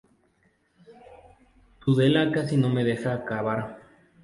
Tudela casi no me deja acabar.